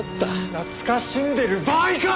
懐かしんでる場合か！